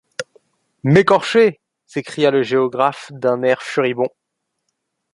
M’écorcher! s’écria le géographe d’un air furibond.